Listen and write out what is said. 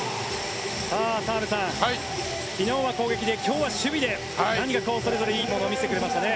澤部さん、昨日は攻撃で今日は守備でそれぞれいいところを見せてくれましたね。